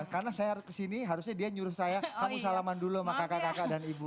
karena saya harus ke sini harusnya dia nyuruh saya kamu salaman dulu sama kakak kakak dan ibu